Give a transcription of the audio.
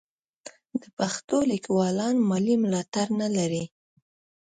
د پښتو لیکوالان مالي ملاتړ نه لري.